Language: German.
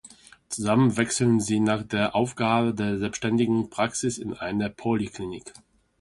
Zusammen wechseln sie nach der Aufgabe der selbständigen Praxis in eine Poliklinik.